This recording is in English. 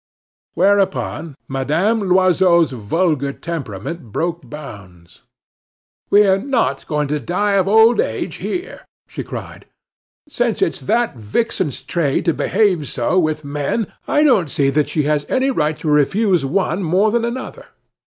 Whereupon Madame Loiseau's vulgar temperament broke bounds. "We're not going to die of old age here!" she cried. "Since it's that vixen's trade to behave so with men I don't see that she has any right to refuse one more than another.